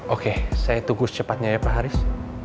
oke saya tunggu secepatnya ya pak haris